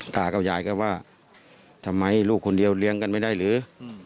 ตากับยายก็ว่าทำไมลูกคนเดียวเลี้ยงกันไม่ได้หรือ